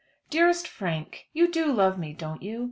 DEAREST FRANK, You do love me, don't you?